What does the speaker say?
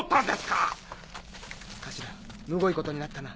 かしらむごいことになったな。